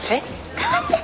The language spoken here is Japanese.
代わって。